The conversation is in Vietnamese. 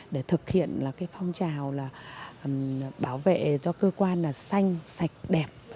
để thực hiện phong trào bảo vệ cho cơ quan xanh sạch đẹp